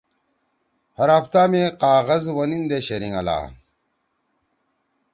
ہر ہفتہ می قاغذ وَنیِندے شرینگلا۔